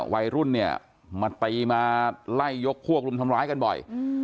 วัยรุ่นเนี่ยมาตีมาไล่ยกพวกรุมทำร้ายกันบ่อย